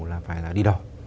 là phải là đi đó